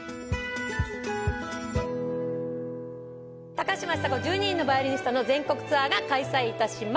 「高嶋ちさ子１２人のヴァイオリニスト」の全国ツアーが開催いたします